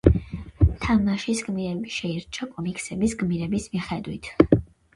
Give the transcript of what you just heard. თამაშის გმირები შეირჩა კომიქსების გმირების მიხედვით.